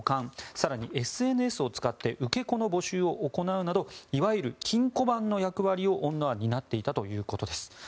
更に、ＳＮＳを使って受け子の募集を行うなどいわゆる金庫番の役割を女は担っていたということです。